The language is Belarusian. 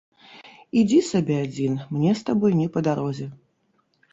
Ідзі сабе адзін, мне з табой не па дарозе.